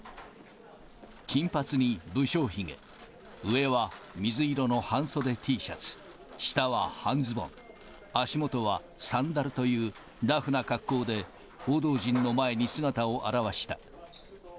金髪に無精ひげ、上は水色の半袖Ｔシャツ、下は半ズボン、足元はサンダルという、ラフな格好で報道陣の前に姿を現した。